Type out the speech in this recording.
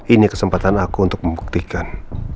ini kesempatan aku untuk membuktikan